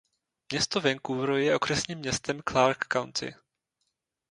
Město Vancouver je okresním městem Clark County.